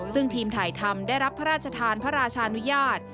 ซึ่งทีมถ่ายทำได้รับพระราชทานพระราชานุญาต